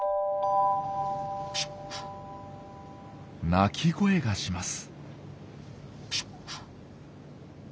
鳴き声がします。